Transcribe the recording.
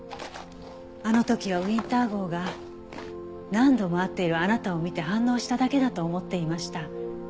あの時はウィンター号が何度も会っているあなたを見て反応しただけだと思っていました。